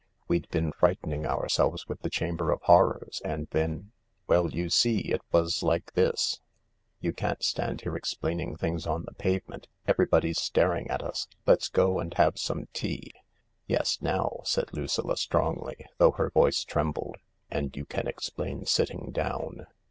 We'd been frightening ourselves with the Chamber of Horrors— and then ... Well, you see, it was like this ..."" You can't stand here explaining things on the pavement —everybody's staring at us. Let's go and have some tea— yes, 106 THE LARK now," said Lucilla strongly, though her voice trembled, " and you can explain sitting down."